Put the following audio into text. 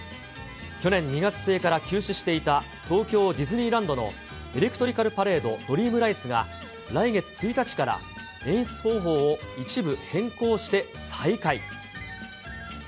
去年２月末から休止していた、東京ディズニーランドのエレクトリカルパレード・ドリームライツが、来月１日から、演出方法を一部変更して再開。